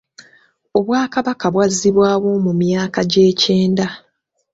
Obwakabaka bwazzibwawo mu myaka gy'ekyenda.